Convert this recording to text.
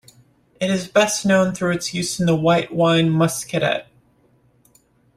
It is best known through its use in the white wine Muscadet.